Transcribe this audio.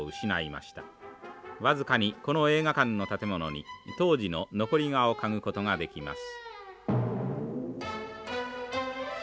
僅かにこの映画館の建物に当時の残り香を嗅ぐことができます。